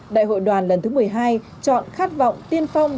đại hội đoàn lần thứ một mươi hai chọn khát vọng tiên phong